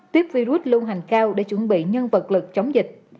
tiếp virus lưu hành cao để chuẩn bị nhân vật lực chống dịch